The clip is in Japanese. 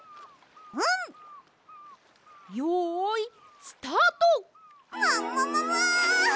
よいスタート！もももも！